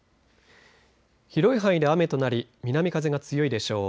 広い範囲で雨となり南風が強いでしょう。